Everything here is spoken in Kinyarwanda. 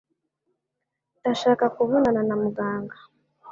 Ndashaka kubonana na muganga.